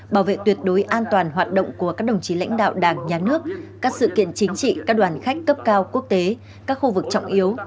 bảo vệ tuyệt đối an toàn hoạt động của các đồng chí lãnh đạo đảng nhà nước các sự kiện chính trị các đoàn khách cấp cao quốc tế các khu vực trọng yếu